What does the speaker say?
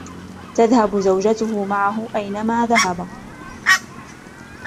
تذهب زوجته معه أينما ذهب.